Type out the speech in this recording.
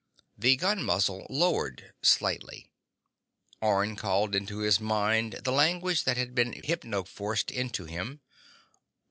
The gun muzzle lowered slightly. Orne called into his mind the language that had been hypnoforced into him.